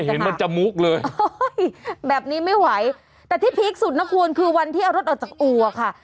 เห็นมันจะมุกเลยแบบนี้ไม่ไหวแต่ที่พีคสุดนะคุณคือวันที่เอารถออกจากอู่อ่ะค่ะ